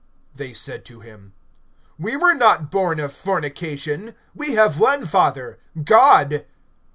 They said to him: We were not born of fornication; we have one father, God.